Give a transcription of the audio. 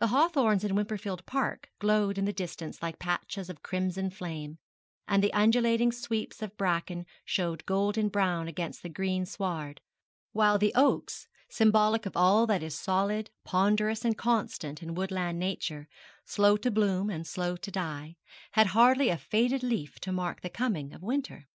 The hawthorns in Wimperfield Park glowed in the distance like patches of crimson flame, and the undulating sweeps of bracken showed golden brown against the green sward; while the oaks symbolic of all that is solid, ponderous, and constant in woodland nature, slow to bloom and slow to die had hardly a faded leaf to mark the coming of winter.